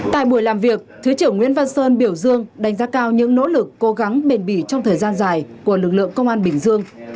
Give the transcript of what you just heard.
tại buổi làm việc thứ trưởng nguyễn văn sơn biểu dương đánh giá cao những nỗ lực cố gắng bền bỉ trong thời gian dài của lực lượng công an bình dương